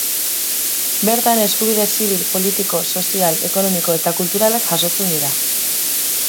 Bertan eskubide zibil, politiko, sozial, ekonomiko eta kulturalak jasotzen dira.